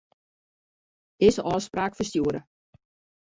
Dizze ôfspraak ferstjoere.